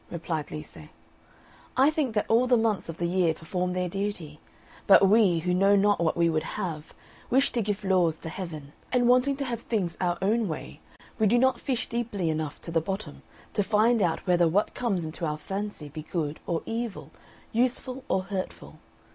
replied Lise; "I think that all the months of the year perform their duty; but we, who know not what we would have, wish to give laws to Heaven; and wanting to have things our own way, we do not fish deeply enough to the bottom, to find out whether what comes into our fancy be good or evil, useful or hurtful.